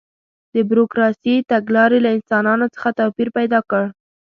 د بروکراسي تګلارې له انسانانو څخه توپیر پیدا کړ.